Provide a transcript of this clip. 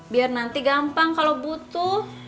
biar nanti gampang kalau butuh